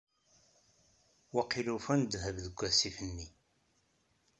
Waqil ufan ddheb deg assif-nni.